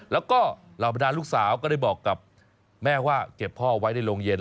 แล้วก็เหล่าบรรดาลูกสาวก็ได้บอกกับแม่ว่าเก็บพ่อไว้ในโรงเย็น